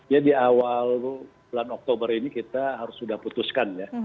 ya di awal bulan oktober ini kita harus sudah putuskan ya